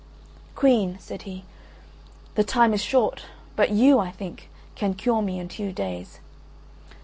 "Queen," said he, "the time is short, but you, I think, can cure me in two days.